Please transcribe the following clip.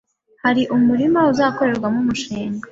hari umurima uzakorerwamo umushinga